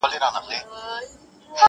د پسرلي وريځو به؛